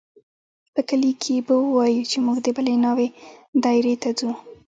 په کلي کښې به ووايو چې موږ د بلې ناوې دايرې ته ځو.